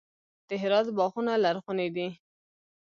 د هرات باغونه لرغوني دي.